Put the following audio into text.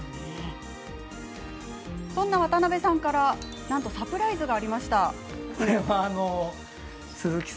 そんな渡辺さんからなんとサプライズが。